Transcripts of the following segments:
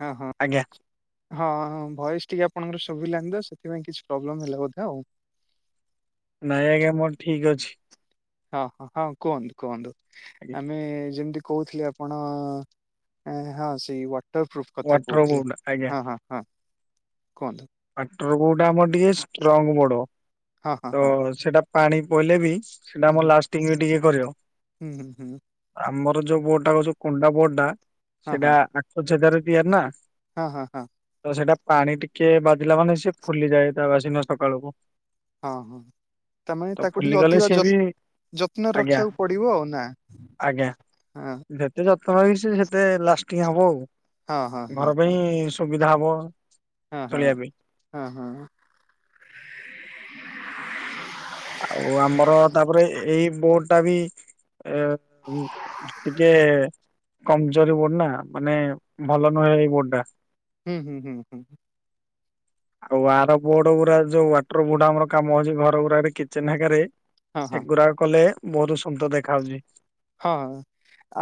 ହଁ ହଁ ଆଜ୍ଞା ହଁ ହଁ ହଁ ଭୟସ ଟିକେ ଆପଣଙ୍କର ଶୁଭିଲାଣି ତ ସେଥିପାଇଁ କିଛି ପ୍ରୋବ୍ଲେମ ହେଲା ବୋଧେ ଆଉ। ନାଇଁ ଆଜ୍ଞା ମୋର ଠିକ ଅଛି। ହଁ ହଁ ହଁ କୁହନ୍ତୁ କୁହନ୍ତୁ ଆଜ୍ଞା ଆମେ ଯେମିତି କହୁଥିଲେ ଆପଣ ହଁ ସେଇ ୱା ୱାଟର ପୁଫ କଥା ୱାଟର କହୁଥିଲେ। ବୋର୍ଡ ଆଜ୍ଞା ହଁ ହଁ ହଁ କୁହନ୍ତୁ। ପାଟର କୋଉଟା ଆମର ଟିକେ ଷ୍ଟ୍ରଙ୍ଗ ବୋଡ। ହଁ ହଁ ତ ହଁ ସେଇଟା ପାଣି ପଇଲେ ବି ସେଇଟା ହୁଁ ଆମର ହୁଁ ଲାଷ୍ଟିଙ୍ଗ ବି ଟିକେ କରିବ। ହୁଁ ହୁଁ ଆମ ଯୋଉ ବୋଡଟା କରୁଛ। କୁଣ୍ଡା ବୋର୍ଡଟା ହୁଁ ହଁ ସେଇଟା ଆଖୁ ଛେଦାରେ ତିଆରି ନା। ହଁ ହଁ ହଁ। ତ ସେଇଟା ପାଣି ଟିକେ ବାଜିଲା ମାନେ ସିଏ ଫୁଲିଯାଏ। ତା ବାସିନା ସକାଳକୁ। ଅ ହଁ। ତାମାନେ ତ ତାକୁ ଟିକେ ଫୁଲିଗଲେ ଅଧିକ ସିଏ ଯ ବି ଯତ୍ନରେ ଆଜ୍ଞା ରଖିବାକୁ ପଡିବ ନା। ହଁ। ତମ ବି ସେ ସେତେ ଲାଷ୍ଟିଙ୍ଗ ହବ ଆଉ। ହଁ ହଁ ଘର ହଁ ପାଇଁ ସୁବିଧା ହବ। ହଁ ହଁ ଚଳିବା ପାଇଁ ହଁ ହୁଁ। ଆଉ ଆମର ତାପରେ ଏଇ ବୋଡ ଟା ବି ଆ ଟିକେ କମଜୋର ବୋର୍ଡ ନା ମାନେ ଭଲ ନୁହେଁ ଏଇ ବୋର୍ଡ ଟା। ହୁଁ ହୁଁ ହୁଁ ହୁଁ। ଆଉ ଆର ବୋଡ ଗୁରା ଯୋଉ ୱାଟର ବୁଡ ଆମର କାମ ହଉଛି ଘର ଗୁଡା କିଚେନ ହେକାରେ। ହଁ ହଁ ସେଗୁରାକ କଲେ ବହୁତ ସୁନ୍ଦର ଦେଖା ହଉଚି। ହଁ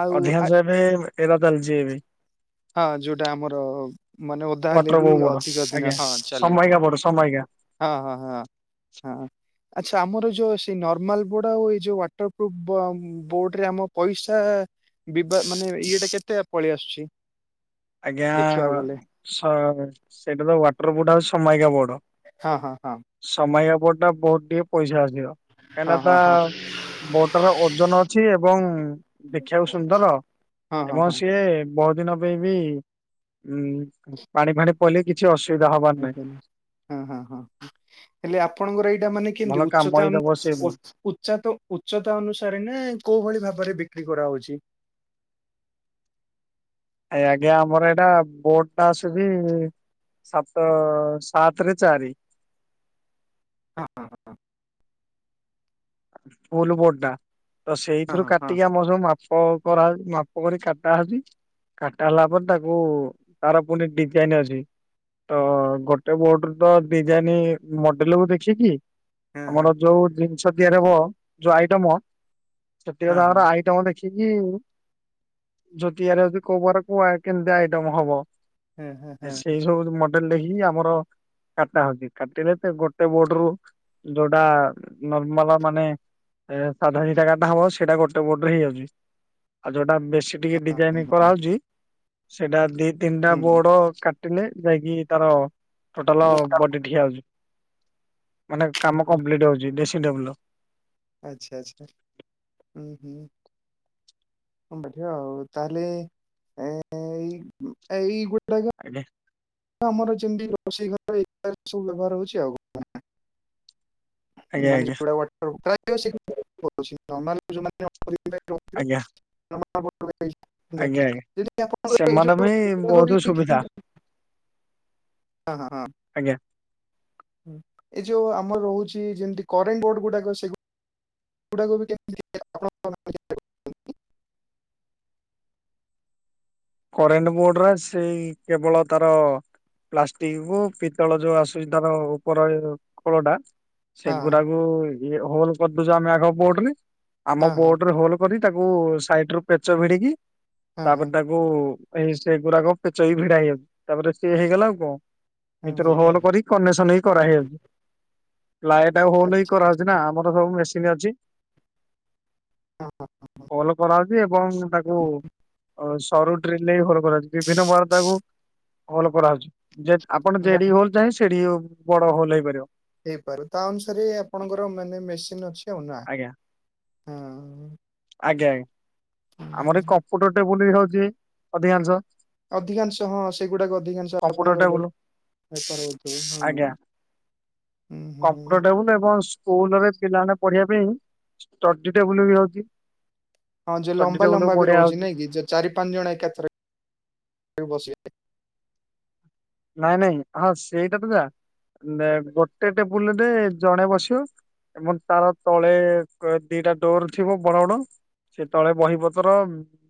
ଆଉ ଅଧିକାଂଶ ଏବେ ଏରା ଚାଲିଛି ଏ ବି। ହଁ ଯୋଉଟା ଆମର ମାନେ ଓଦା ହେଲେ ୱାଟର ବି ବୋ ବୋର୍ଡ ଅଧିକ ଦିନ ଆଜ୍ଞା ହଁ ଚାଲିବ। ସମାଇକା ବୋର୍ଡ ସମାଇକା ହଁ ହଁ ହଁ ହଁ। ଆଚ୍ଛା ଆମର ଯୋଉ ସେ ନର୍ମାଲ ବୋର୍ଡ। ଆଉ ଏଇ ଯୋଉ ୱାଟର ପ୍ରୁଫ ବୋ ବୋଡରେ ଆମ ପଇସା ଦିବା ମାନେ ଇଏଟା କେତେ ଆ ପଳେଇ ଆସୁଚି। ଆଜ୍ଞା ସ ସେଇଟା ତ ୱାଟର ବୋଡ ଆଉ ସମାୟିକା ବୋଡ। ହଁ ହଁ ହଁ। ବୋଟ ଟା ବହୁତ ଟିକେ ପଇସା ଆସିବ। ହଁ କାହିଁକିନା ହଁ ତା ହଁ ବୋଡଟାପା ଓଜନ ଅଛି। ଏବଂ ଦେଖିଆକୁ ସୁନ୍ଦଲ। ହଁ ହଁ ଏବଂ ହଁ ସିଏ ବହୁତ ଦିନ ହି ଉଁ ପାଣି ଫାଣି ପଇଲେ କିଛି ଅସୁ [inaudible] ହଁ ହଁ ହଁ ହଁ ହେଲେ ଆପଣଙ୍କର ଏଇଟା ମାନେ କେମତି ଭଲ କାମ ଉଚ୍ଚତା ବି ଦବ ସେ ଉନ ଉ ବୋଟ। ଉଚା ତ ଉଚ୍ଚତା ଅନୁସାରେ ନା କୋଉ ଭଳି। ଭାବରେ ବିକ୍ରି କରାହଉଛି। ଆ ଆଜ୍ଞା ଆମର ଏଇଟା ବୋଟ ଟା ଆସୁଚି। ସାତ ସାତେରେ ଚାରି। ହଁ ହଁ ହଁ ହଁ। ଫୁଲ ବୋଡ ଟା ତ ସେଇଥିରୁ ହଁ ହଁ କାଟିକି ଆମ ସବୁ ମା ମାପ କରାହଉଚି ମାପ କରି କାଟାହଉଚି। କାଟା ହେଲା ପରେ ତାକୁ ତାର ପୁଣି ଡିଜାଇନ ଅଛି। ତ ଗୋଟେ ବୋର୍ଡ ରୁ ତ ଡିଜାଇନ ମଡେଲକୁୁ ଦେଖିକି। ହଁ ହଁ ଆମର ଯୋଉ ଜିନିଷ ତିଆରି ହବ ଯୋଉ ଆଇଟମ। ସେଟିକ ହଁ ହଁ ତାଙ୍କର ଆଇଟମ ଦେ ଦେଖିକି ଜୋଟିଆରେ ଯଦି କୋଉବାରେ କୋଉ କେମତି ଆଇଟମ ହବ। ହଁ ହଁ ହଁ ହଁ ହଁ ହଁ ସେଇ ସବୁ ମଡେଲ ଦେଖିକି? ଆମର କାଟା ହଉଛି କାଟିଲେ ତ ଗୋଟେ ବୋର୍ଡ ରୁ ଯୋଉଟା ମାନେ ସାଧା ଦି ଟା ଟା ହବ ସେଇଟା ଗୋଟେ ପୋଟରେ ହେଇଯାଉଛି। ଆଉ ଯୋଉଟା ବେଶୀ ଟିକେ ଡିଜାଇନ ହଁ, ହଁ। କରାହେଉଚଛି ସେଇଟା ଦି ତିନିଟା ହୁଁ ବୋଡ କାଟିଲେ ଯାଇକି ତାର ଟୋଟାଲ ହୁଁ। ବଡି ଠିଆ ହଉଛି। ମାନେ କାମ ଓହୋ କମ୍ପ୍ଲିଟ ହଉଛି ଡେସି ଡବ୍ଲୁ ର। ଆଚ୍ଛା ଆଚ୍ଛା ହୁଁ ହୁଁ। ହଁ ବଢିଆ ଆଉ ତାହେଲେ ଏଇ ଏଇ ଗୋଟେ ଆଜ୍ଞା। ଆମର ଯେମିତି ରୋଷେଇ ଘର ଏ ସବୁ ବ୍ୟବହାର ହଉଛି ଆଉ। ଆଜ୍ଞା ମାନେ ଆଜ୍ଞା ଆଜ୍ଞା ଆଜ୍ଞା ଆଜ୍ଞା ସେମାନେ ବି ବହୁତ ସୁବିଧା [unintelligible] [unintelligible] [inaudible] ହଁ ହଁ ହଁ। ଆଜ୍ଞା। ଏ ଯୋଉ ଆମର ରହୁଛି ଯେମିତି କରେଣ୍ଟ ବୋର୍ଡ ଗୁଡାକ ସେ ଗୁଡାକୋବି। [unintelligible] କରେଣ୍ଟ ବୋର୍ଡରେ ସେଇ କେବଳ ତାର ପ୍ଲାଷ୍ଟିକ ପିତ୍ତଳ ଯୋଉ ଆସୁଛି ତାର ଉପର ଖୋଳ ଟା ସେଗୁଡାକୁ ଇଏ ହୋଲ କରିଦଉଛ ଆମେ ଆଗ ପୋଅଟରେ ଆମ ହଁ ହଁ ପୋଅଟ ରେ ହୋଲ କରି ତାକୁ ସାଇଟ ରୁ ପେଚ ଭିଡିକି ହଁ ହଁ। ହୋଉ ଏଇ ସେ ଗୁଡାକ ପେଚ ଭିଡା ହେଇଯାଉଛି ତାପରେ ସିଏ ହେଇଗଲା ଆଉ କଣ। ହଁ ଭିତରୁ ହଲ ହଁ କରି କନେସନ ବି କରାହେଇଯାଉଛି। ଲାଇଟା ହୋଲ ହଇ କରାହେଉଛି ନା ଆମର ସବୁ ମେସିନ୍ ଅଛି। ହଁ କଲ କରାହାଉଛି ଏବଂ ତାକୁ ଅ ସରୁ ଡ୍ରିଲ ଭଲ କରାଉଛି ବିଭିନ୍ନ ବାର ତାକୁ ଭଲ କରାହାଉଉଛି। ଆପଣ ହଁ ଯେଠି ହୋଲ ଚାହିେଁ ସେଠି ବଡ ହଲ ହେଇପାରିବ। ହେଇପାରୁ ତା ଅନୁସାରେ ଆପଣଙ୍କର ମାନେ ମେସିନ ଅଛି। ଉନା ଆଜ୍ଞା ହଁ। ଆଜ୍ଞା ଆଜ୍ଞା। ଆମର ଏ କମ୍ପୁଟର ଟେବୁଲ ବି ହଉଛି ଅଧିକାଂଶ। ଅଧିକାଂଶ ହଁ ସେଗୁଡାକ ଅଧିକାଂଶ କମ୍ପ୍ୟୁଟର ଆପଣଙ୍କର ଯୋଉ ଟେବୁଲ ସେ କରଛୁ ହଁ। ହୁଁ ହୁଁ ହୁଁ କମ୍ପୁଟର ଟା କୁ ନବ ସ୍କୁଲରେ ପିଲାମାନେ ପଢିବା ପାଇଁ ଷ୍ଟଡି ଟେବୁଲ ବି ହଉଛି। ହଁ ଯୋଉ ଷ୍ଟଡି ଲମ୍ବା ଟେବୁଲ ଲମ୍ବା ବି ବଢିଆ ରହୁଛି ହଉଛି ନାଇଁ କି ଯୋଉ ଚାରି ପାଞ୍ଚ ଜଣ ଏକାଥରେ ବସିକି ନାଇଁ ନାଇଁ ହଁ ସେଇଟା ତ ଯା। ଗୋଟେ ଟେବୁଲରେ ଜଣେ ବସିବ। ଏବଂ ତାର ତଳେ ଦିଟା ଡୋର ଥିବ ବଡ ବଡ। ସେତେବେଳେ ବହିପତ୍ର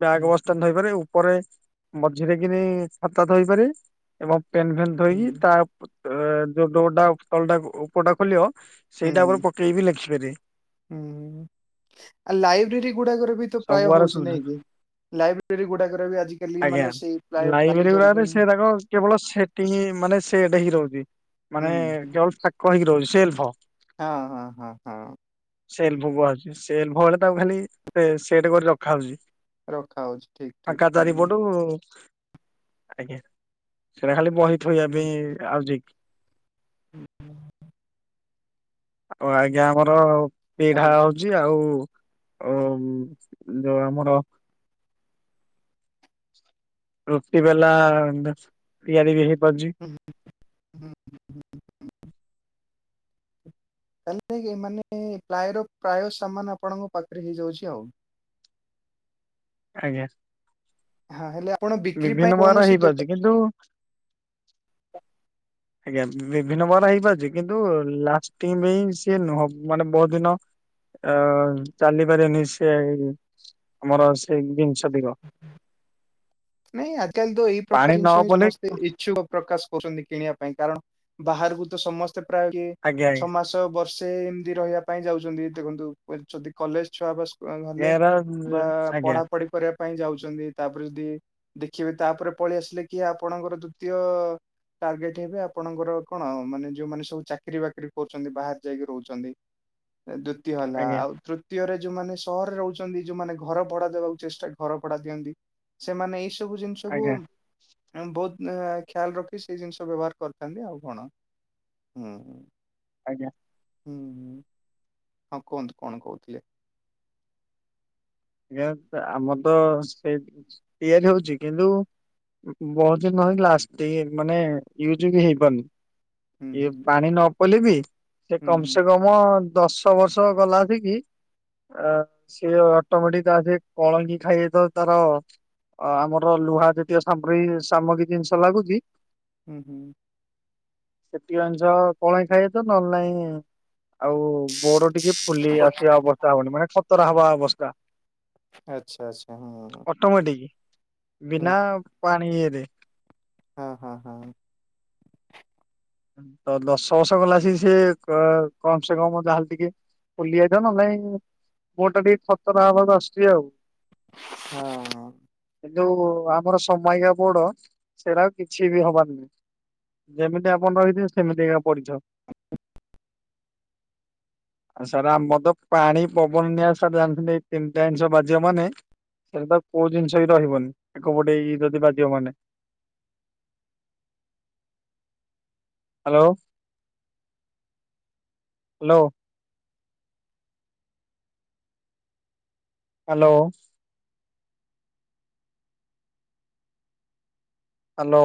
ବ୍ୟାଗ ହୁଁ ବସ୍‌ ତାନୀ ଥାଇପାରେ ଥୋଇପାରେ ଉପରେ ମଝିରେ କିିନି ଖାତା ଥାଇପାରେ ଏବଂ ପେନ୍ ଫେନ୍ ହୁଁ ଥୋଇକି ତା ଯୋଉ ଡୋରଟା ତଳଟା ଉପଟା ଖୋଲିବ ହୁଁ ସେଇଟା ଉପରେ ପକେଇବି ଲେଖିପାରିବ। ହୁଁ ଆ ଲାଇବ୍ରେରୀ ଗୁଡାକରେ ବି ତ ପ୍ରାୟ ସବୁଆଡେ ହଉଛି ସୁବିଧା ନାଇଁ କି। ଲାଇବ୍ରେରୀ ଗୁଡାକରେ ବି ଆଜିକାଲି ଆଜ୍ଞା। ମାନେ ସେଇ ପ୍ରାୟ ଲାଇବ୍ରେରୀ ଗୁଡାରେ ଧରିିବ। ତାଙ୍କ କେବଳ ସେ ମାନେ ସେଟ ହେଇକି ରହୁଛି ମାନେ ହୁଁ। କେବଳ ଫାକ ହେଇକି ରହୁଛି ସେଲ୍ଫ ହେଇକି। ହଁ ହଁ ହଁ ହଁ। ସେଲ୍ଭ କୁହାହେଛି ସେଲଭ ବଳେ ତାକୁ ଖାଲି ସେଟ କରି ରଖା ହଉଛି। ରଖା ହଉଛି ଠିକ ଠିକ ଫାଙ୍କା ଚାରିପଟୁ ହୁଁ ଆଜ୍ଞା। ସେଇଟା ଖାଲି ବହି ଥୋଇବା ପାଇଁ ଆଉ ଆଉ ଆଜ୍ଞା ହୁଁ ଆମର ପିଢା ତାପରେ ହଉଛି ଆଉ ଓ ମ ଯୋଉ ଆମର। ରୁଟି ବେଲା ତିଆରି ବି ହେଇପାରୁଛି। ହୁଁ ହୁଁ। ତା ନେ କି ମାନେ ପ୍ରାୟ ରୁ ପ୍ରାୟ ସାମାନ ଆପଣଙ୍କ ପାଖରେ ହେଇଯାଉଛି ଆଉ। ଆଜ୍ଞା। ହଁ ହେଲେ। ଆପଣ ବିକ୍ରି ପାଇଁ ବିଭିନ୍ନ ପ୍ରକାର ର କୌଣସି ଦୋକା ହେଇପାରୁଛି କିନ୍ତୁ। ଆଜ୍ଞା ବିଭିନ୍ନ ପ୍ରକାର ର ହେଇପାରୁଛି କିନ୍ତୁ ଲାଷ୍ଟିଙ୍ଗ ପାଇଁ ସିଏ ନୁହ ମାନେ ବହୁତ ଦିନ। ଆ ଚାଲି ପାରେନି ସେ ଇ ରେ। ଆମର ସେଇ ଜିନିଷତିକ। ନାଇଁ ଆଜି କାଲି ତ ଏଇ ପ୍ରକାର ଜିନିଷ ପଲେ ସମସ୍ତେ ଇଚ୍ଛୁକ ପ୍ରକାଶ କରୁଛନ୍ତି କିଣିବା ପାଇଁ କାରଣ ବାହାରକୁ ତ ସମସ୍ତେ ପ୍ରାୟ କେ ଆଜ୍ଞା ଛଅ ଆଜ୍ଞା ମାସ, ବର୍ଷ। ସେ ଏମିତି ରହିବା ପାଇଁ ଯାଉଛନ୍ତି ଦେଖନ୍ତୁ ଯଦି କଲେଜ ଛୁଆ ବା ଭାରିଲେ ଏରା ବା ଆଜ୍ଞା ପଢାପଢି କରିବା ପାଇଁ, ଯାଉଛନ୍ତି ତାପରେ ଯଦି ଦେଖିବେ ତାପରେ ପଳେଇ ଆସିଲେ କି, ଆପଣଙ୍କର ଦ୍ଵିତୀୟ ଟାର୍ଗେଟ ହେବେ ଆପଣଙ୍କର କଣ ମାନେ ଯୋଉମାନେ ସବୁ ଚାକିରି ବାକିରି କରୁଛନ୍ତି, ବାହାରେ ଯାଇକି ରହୁଛନ୍ତି। ଦ୍ଵିତୀୟ ହେଲା, ଆଜ୍ଞା ଆଉ ତୃତୀୟରେ। ଯୋଉମାନେ ସହରରେ ରହୁଛନ୍ତି ଯୋଉମାନେ ଘର ଭଡା ଦେବାକୁ ଚେଷ୍ଟା ଘର ଭଡା ଦିଅନ୍ତି, ସେମାନେ ଏଇ ସବୁ ଜିନିଷକୁ ଆଜ୍ଞା ମାନେ ବହୁତ ଏ ଖ୍ୟାଲ ରଖି ସେଇ ଜିନିଷ ବ୍ୟବହାର କରିଥାନ୍ତି, ଆଉ କଣ? ହୁଁ ହୁଁ। ଆଜ୍ଞା। ହୁଁ ହଁ କୁହନ୍ତୁ କଣ କହୁଥିଲେ? ଜ୍ଞା ଆମର ତ ସେ ତିଆରି ହଉଛି କିନ୍ତୁ। ବହୁତ ଦିନ ହେଲା ଷ୍ଟେ ମାନେ ୟୁଜ ବି ହେଇପାରୁନି। ହୁଁ ଇଏ ହୁଁ ପାଣି ନ ପଇଲେ ବିି ସେ ହୁଁ କମ ସେ କମ। ଦଶ ବର୍ଷ ଗଲା ହେରି କି। ଆ ସିଏ ଅଟୋମେଟିକ ତା ଦିହେରେ କଳଙ୍କି ଖାଇଦେଇଥିବ ତାର। ଆମର ଲୁହା ଯେତିକ ସାମ୍ରୀ ସାମଗ୍ରୀ ଜିନିଷ ଲାଗୁଛି। ହୁଁ ହୁଁ। ସେତିିକି ଜିନିଷ କଳଙ୍କି ଖାଇଦେଇଥିବ ନଏଲେ ନାଇଁ ଆଉ ବୋର ଟିକେ ଫୁଲି ହୁଁ ଆସିବା ଅବସ୍ଥା ହବଣି ମାନେ ଖତରା ହବା ଅବସ୍ଥା। ଆଚ୍ଛା ଆଚ୍ଛା ହୁଁ ହୁଁ। ଅଟୋମେଟିକ। ବିନା ପାଣି ଇଏରେ। ହଁ ହଁ ହଁ। ତ ଦଶ ବର୍ଷ ଗଲା ସି ସିଏ ଏ କମ ସେ କମ ଯାହାହେଲେ ଟିକେ। ଫୁଲିଆଇଥିବ ନ ନାଇଁ ବୋଡ ଟା ଟିକେ ଖତରା ହବାକୁ ଆସୁଛି ଆଉ। ହଁ ହଁ। କି ଯୋଉ ଆମର ସନମାଇକା ବୋଡ ସେରା ଆଉ କିଛି ବି ହବାର ନାଇ ଯେମିତି। ଆପଣ ରହିଥିବେ ସେମିତି ଏକା ପଡିଥାଉ। ଆଉ ସାର୍ ଆମର ତ ପାଣି ପବନ ନିଆଁ ସାର୍ ଜାଣିଥିବେ ଏଇ ତିନିଟା ଜିନିଷ ବାଜିବ ମାନେ। ସେଟା ତ କୋଉ ଜିନିଷ ବି ରହିବନି, ଏକପଟେ ଇଏ ଯଦି ବାଜିବମାନେ। Hello hello. ହାଲୋ। ହାଲୋ।